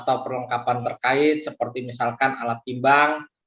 atau perlengkapan terkait seperti misalkan alat timbang